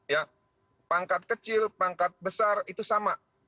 ya pangkat kecil pangkat besar itu sama